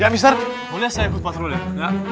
ya mister boleh saya ikut patroli ya